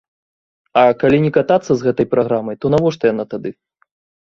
А калі не катацца з гэтай праграмай, то навошта яна тады.